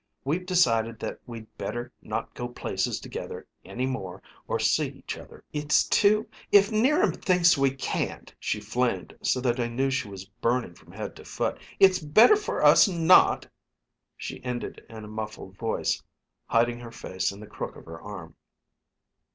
We've decided that we'd better not go places together any more or see each other. It's too If 'Niram thinks we can't" she flamed so that I knew she was burning from head to foot "it's better for us not " She ended in a muffled voice, hiding her face in the crook of her arm.